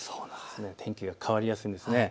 天気が変わりやすいんです。